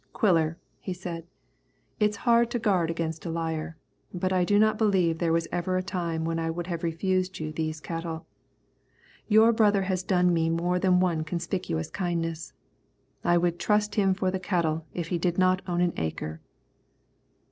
"Quiller," he said, "it's hard to guard against a liar, but I do not believe there was ever a time when I would have refused you these cattle. Your brother has done me more than one conspicuous kindness. I would trust him for the cattle if he did not own an acre."